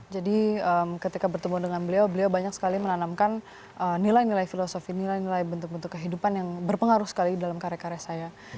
jadi ketika bertemu dengan beliau beliau banyak sekali menanamkan nilai nilai filosofi nilai nilai bentuk bentuk kehidupan yang berpengaruh sekali dalam karya karya saya